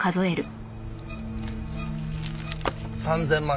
３０００万